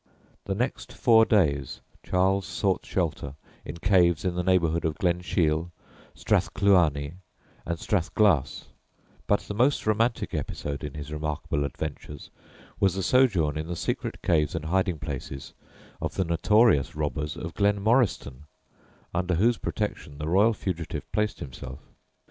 The next four days Charles sought shelter in caves in the neighbourhood of Glenshiel, Strathcluanie, and Strathglass; but the most romantic episode in his remarkable adventures was the sojourn in the secret caves and hiding places of the notorious robbers of Glenmoriston, under whose protection the royal fugitive placed himself.